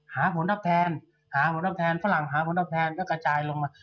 หาผลตอบแทนหาผลตอบแทนฝรั่งหาผลตอบแทนก็กระจายลงมา